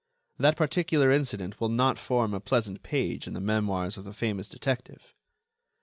That particular incident will not form a pleasant page in the memoirs of the famous detective.